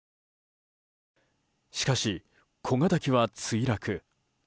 しかし、小型機は墜落。